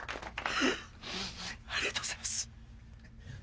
ありがとうございます。